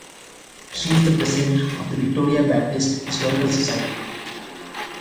She is the President of the Victoria Baptist Historical Society.